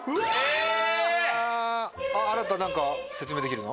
あらた何か説明できるの？